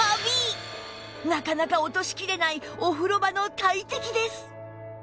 なかなか落としきれないお風呂場の大敵です